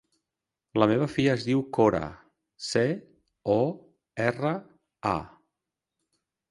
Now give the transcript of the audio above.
La meva filla es diu Cora: ce, o, erra, a.